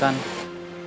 kamu gak usah khawatir